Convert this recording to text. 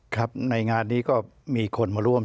ครับในงานนี้ก็มีคนมาร่วม